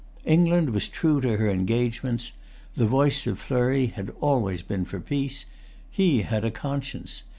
England was true to her engagements. The voice of Fleury had always been for peace. He had a conscience.